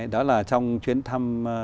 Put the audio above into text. đó là trong chuyến thăm